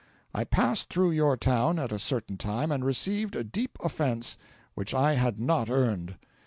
I passed through your town at a certain time, and received a deep offence which I had not earned.